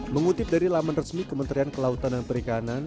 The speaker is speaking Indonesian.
mengutip dari laman resmi kementerian kelautan dan perikanan